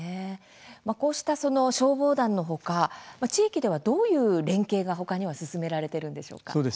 こうした消防団の他地域では、どういう連携が他には進められているのでしょうか？